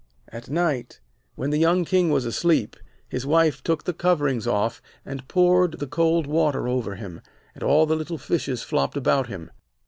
At night, when the young King was asleep, his wife took the coverings off and poured the cold water over him, and all the little fishes flopped about him.